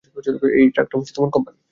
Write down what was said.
এই ট্রাকটাও কোম্পানির।